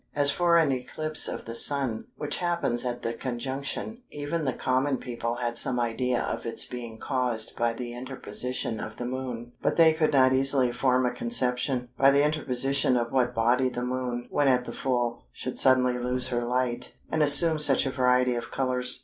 As for an eclipse of the Sun, which happens at the Conjunction, even the common people had some idea of its being caused by the interposition of the Moon; but they could not easily form a conception, by the interposition of what body the Moon, when at the full, should suddenly lose her light, and assume such a variety of colours.